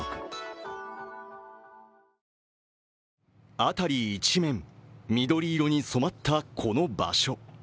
辺り一面、緑色に染まったこの場所。